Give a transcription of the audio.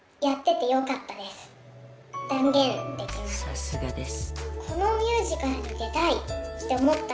さすがです。